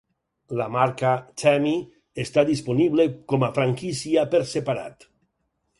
La marca Tammy està disponible com a franquícia per separat.